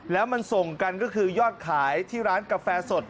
แล้วมันส่งกันก็คือยอดขายที่ร้านกาแฟสด